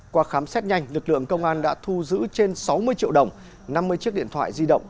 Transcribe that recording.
qua khám xét nhanh lực lượng công an đã thu giữ trên sáu mươi triệu đồng năm mươi chiếc điện thoại di động